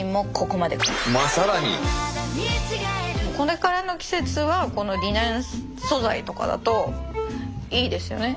これからの季節はこのリネン素材とかだといいですよね。